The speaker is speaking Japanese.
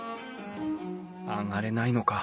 上がれないのか。